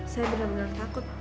saya benar benar takut